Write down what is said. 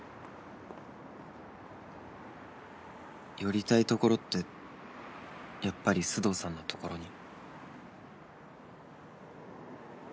寄りたいところってやっぱり須藤さんのところに？